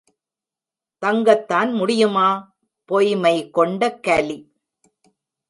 தங்கத்தான் முடியுமா? பொய்மை கொண்ட கலி!